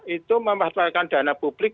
itu memasarkan dana publik